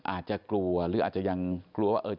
อาจจะกลัวหรืออาจจะยังกลัวว่า